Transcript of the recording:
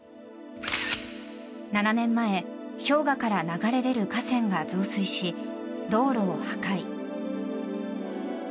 ７年前氷河から流れ出る河川が増水し道路を破壊。